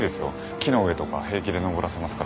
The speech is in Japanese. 木の上とか平気で登らせますから。